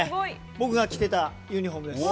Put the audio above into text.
僕が来ていたユニホームです。